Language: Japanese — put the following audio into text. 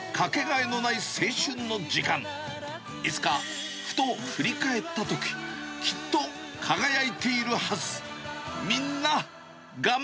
いつか、ふと振り返ったとき、きっと輝いているはず。